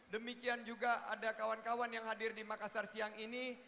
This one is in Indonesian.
demikian juga ada kawan kawan yang hadir di makassar siang ini